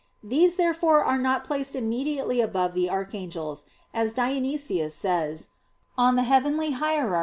These therefore are not placed immediately above the Archangels, as Dionysius says (Coel. Hier.